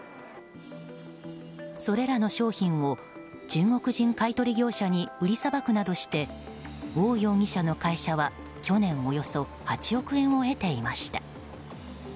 それらの商品を中国人買い取り業者に売りさばくなどしてオウ容疑者の会社は去年およそ８億円を得ていました。